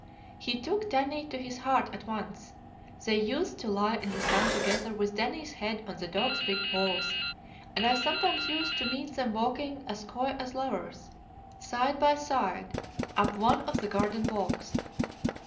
He took Danny to his heart at once: they used to lie in the sun together with Danny's head on the dog's big paws, and I sometimes used to meet them walking as coy as lovers, side by side, up one of the garden walks.